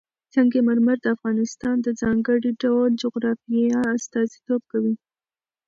سنگ مرمر د افغانستان د ځانګړي ډول جغرافیه استازیتوب کوي.